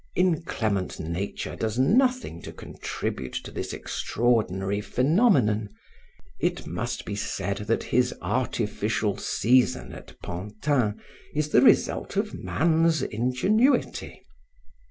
"Inclement nature does nothing to contribute to this extraordinary phenomenon. It must be said that his artificial season at Pantin is the result of man's ingenuity.